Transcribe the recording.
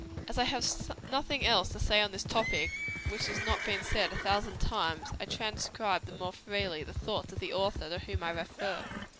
As I have nothing else to say on this topic, which has not been said a thousand times, I transcribe the more freely, the thoughts of the author to whom I refer.